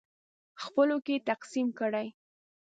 خپلو کې یې تقسیم کړئ.